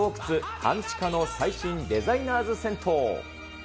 半地下の最新デザイナーズ銭湯。